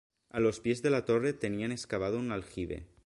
A los pies de la torre tenían excavado un aljibe.